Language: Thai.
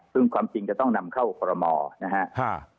ซึ่งความจริงจะต้องนำเข้าคอรมอนะครับ